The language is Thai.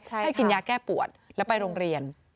ให้กินยาแก้ปวดแล้วไปโรงเรียน